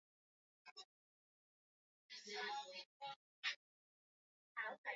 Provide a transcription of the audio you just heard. Sababu ya vifo vingi kwa watoto wachanga katika jamii ya kimasai